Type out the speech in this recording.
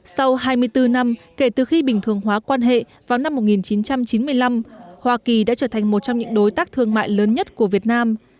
sau hai mươi bốn năm kể từ khi bình thường hóa quan hệ vào năm một nghìn chín trăm chín mươi năm hoa kỳ đã trở thành một trong những đối tác thương mại lớn nhất của việt nam